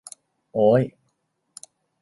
โอ๊ย